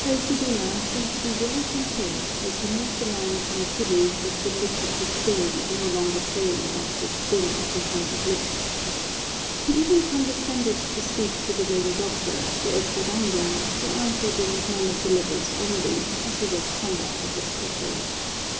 Fray Sibyla seemed to be very content as he moved along tranquilly with the look of disdain no longer playing about his thin, refined lips. He even condescended to speak to the lame doctor, De Espadaña, who answered in monosyllables only, as he was somewhat of a stutterer.